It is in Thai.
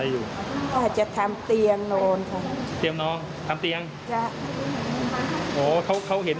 เลิกกันนานยังไงประมาณสองเดือนสามเดือน